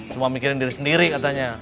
cuma mikirin diri sendiri katanya